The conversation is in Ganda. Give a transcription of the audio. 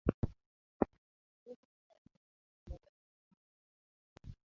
Ab'empaka ababiri tebawala luga.